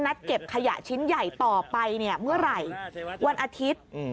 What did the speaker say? เก็บขยะชิ้นใหญ่ต่อไปเนี่ยเมื่อไหร่วันอาทิตย์